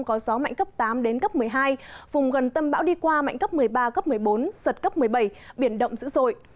có gió mạnh cấp tám đến cấp một mươi hai vùng gần tâm bão đi qua mạnh cấp một mươi ba cấp một mươi bốn giật cấp một mươi bảy biển động dữ dội